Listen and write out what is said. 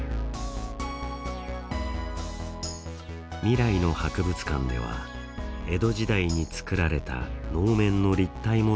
「未来の博物館」では江戸時代に作られた能面の立体モデルを作り